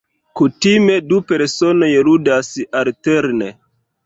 Kutime, du personoj ludas alterne.